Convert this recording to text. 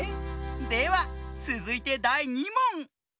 ではつづいてだい２もん！